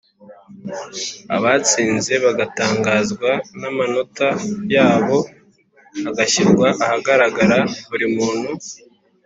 abatsinze bagatangazwa n amanota yabo agashyirwa ahagaragarira buri muntu